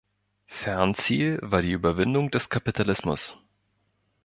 Fernziel war die Überwindung des Kapitalismus.